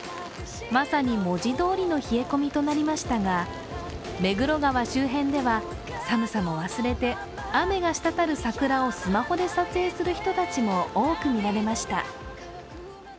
まさに文字どおりの冷え込みとなりましたが目黒川周辺では、寒さも忘れて雨がしたたる桜をスマホで撮影する人たちも多く見られました。